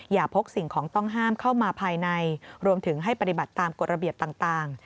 พกสิ่งของต้องห้ามเข้ามาภายในรวมถึงให้ปฏิบัติตามกฎระเบียบต่าง